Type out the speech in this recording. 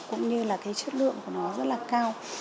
cũng như là cái chất lượng của nó rất là cao